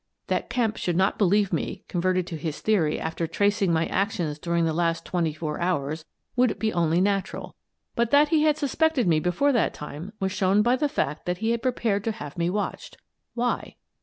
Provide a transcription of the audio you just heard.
That Kemp should not believe me converted to his theory after tracing my actions during the last twenty four hours would be only natural ; but that he had suspected me be fore that time was shown by the fact that he had prepared to have me watched. Why?